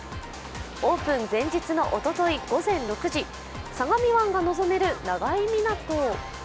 オープン前日のおととい午前６時、相模湾が望める長井港。